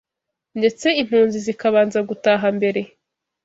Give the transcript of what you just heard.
ndetse impunzi zikabanza gutaha mbere